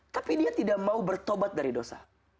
tapi dia tidak mau bertobat dari dosa